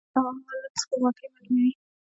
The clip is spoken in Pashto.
د هوا حالات سپوږمکۍ معلوموي